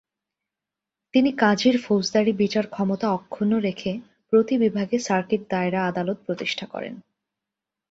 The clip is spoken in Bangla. তিনি কাজীর ফৌজদারি বিচার ক্ষমতা অক্ষুন্ন রেখে প্রতি বিভাগে সার্কিট দায়রা আদালত প্রতিষ্ঠা করেন।